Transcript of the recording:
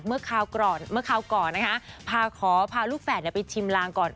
เมื่อคราวก่อนนะคะพาขอพาลูกแฝดไปชิมลางก่อน